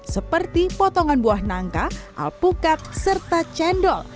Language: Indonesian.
seperti potongan buah nangka alpukat serta cendol